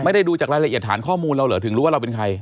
ดูจากรายละเอียดฐานข้อมูลเราเหรอถึงรู้ว่าเราเป็นใคร